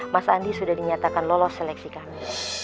mas andi sudah dinyatakan lolos seleksi kami